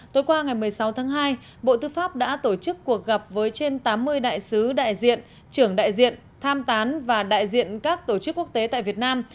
tối qua ngày một mươi sáu tháng hai bộ tư pháp đã tổ chức cuộc gặp với trên tám mươi đại sứ đại diện trưởng đại diện tham tán và đại diện các tổ chức quốc tế tại việt nam